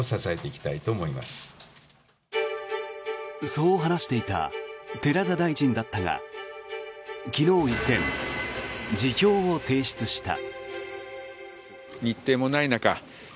そう話していた寺田大臣だったが昨日、一転、辞表を提出した。